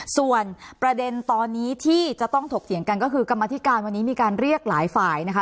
ส่วนประเด็นตอนนี้ที่จะต้องถกเถียงกันก็คือกรรมธิการวันนี้มีการเรียกหลายฝ่ายนะคะ